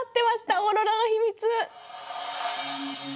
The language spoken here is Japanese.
オーロラの秘密！